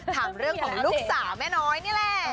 ถามเรื่องของลูกสาวแม่น้อยนี่แหละ